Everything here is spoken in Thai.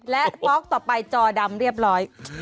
และต๊อกต่อไปจอดำเรียบร้อย